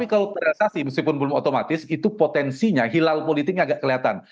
tapi kalau terrealisasi meskipun belum otomatis itu potensinya hilal politiknya agak kelihatan